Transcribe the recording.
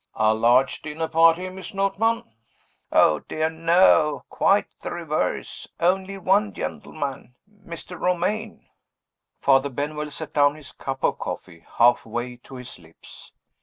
"A large dinner party, Miss Notman?" "Oh, dear, no! Quite the reverse. Only one gentleman Mr. Romayne." Father Benwell set down his cup of coffee, half way to his lips.